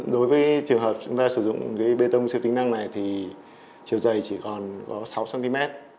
đối với trường hợp chúng ta sử dụng bê tông siêu tính năng này thì chiều dày chỉ còn có sáu cm